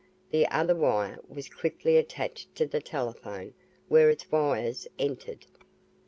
The other wire was quickly attached to the telephone where its wires entered.